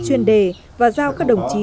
chuyên đề và giao các đồng chí